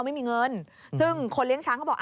ไม่มีเงินซึ่งคนเลี้ยงช้างเขาบอก